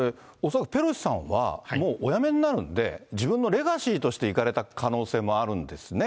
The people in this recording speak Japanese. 恐らくペロシさんはもうお辞めになるんで、自分のレガシーとして行かれた可能性もあるんですね。